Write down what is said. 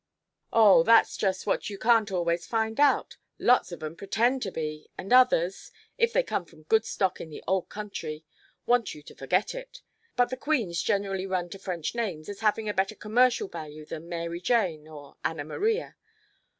"Aw, that's just what you can't always find out. Lots of 'em pretend to be, and others if they come from good stock in the old country want you to forget it. But the queens generally run to French names, as havin' a better commercial value than Mary Jane or Ann Maria.